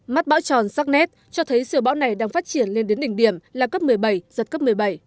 mắt bão tròn sắc nét cho thấy siêu bão này đang phát triển lên đến đỉnh điểm là cấp một mươi bảy giật cấp một mươi bảy